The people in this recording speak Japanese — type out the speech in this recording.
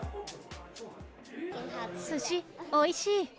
すし、おいしい。